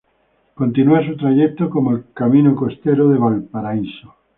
Continúa su trayecto como el Camino Costero de Valparaíso.